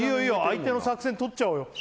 相手の作戦取っちゃおうよ